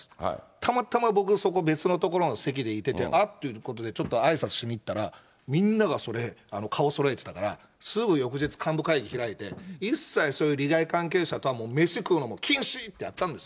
たまたま僕、その別の所の席でいてて、あっていうことで、ちょっとあいさつしに行ったら、みんながそれ、顔そろえてたから、すぐ翌日、幹部会議開いて、一切そういう利害関係者とはもう飯食うのももう禁止ってやったんです。